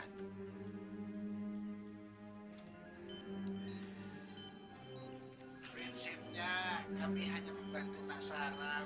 prinsipnya kami hanya membantu masyarakat